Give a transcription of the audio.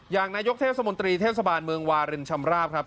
อย่างนายกเทศมนตรีเทศบาลเมืองวารินชำราบครับ